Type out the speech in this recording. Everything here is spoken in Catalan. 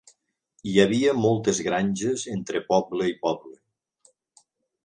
Hi havia moltes granges entre poble i poble.